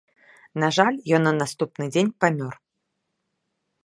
На жаль, ён на наступны дзень памёр.